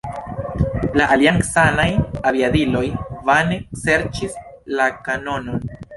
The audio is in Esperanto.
La aliancanaj aviadiloj vane serĉis la kanonon.